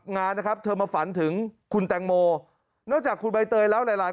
งานนะครับเธอมาฝันถึงคุณแตงโมนอกจากคุณใบเตยแล้วหลายหลาย